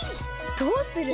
どうする？